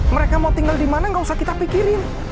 mereka mau tinggal di mana gak usah kita pikirin